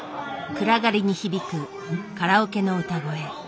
暗がりに響くカラオケの歌声。